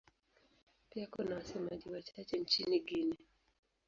Pia kuna wasemaji wachache nchini Guinea.